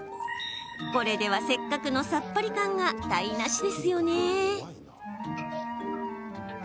これでは、せっかくのさっぱり感が台なしですよね。